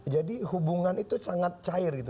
jadi hubungan itu sangat cair gitu